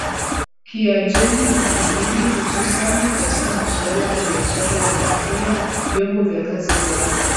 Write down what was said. Kiajemi na Kihindi hususani katika masuala ya biashara ubaharia vyombo vya kazi zao